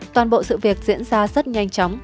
toàn bộ sự việc diễn ra rất nhanh chóng